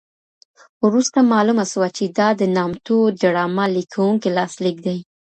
وروسته معلومه سوه چې دا د نامتو ډرامه لیکونکي لاسلیک دی.